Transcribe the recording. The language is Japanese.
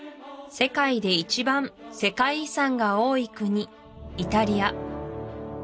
世界で一番世界遺産が多い国イタリア